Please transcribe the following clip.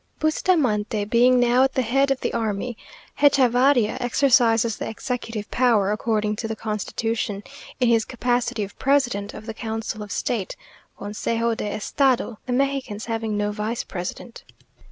Bustamante being now at the head of the army, Hechavarria exercises the executive power, according to the constitution, in his capacity of president of the Council of State, (Consejo de Estado); the Mexicans having no vice president.